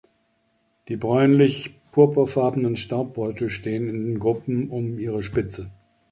Die bräunlich purpurfarbenen Staubbeutel stehen in Gruppen um ihre Spitze.